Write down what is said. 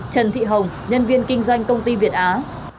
trần thị hồng nhân viên kinh doanh công ty việt á